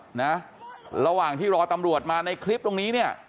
รถโทรแจ้งตำรวจนะระหว่างที่รอตำรวจมาในคลิปตรงนี้เนี่ย